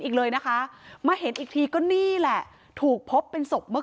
อีกเลยนะคะมาเห็นอีกทีก็นี่แหละถูกพบเป็นศพเมื่อ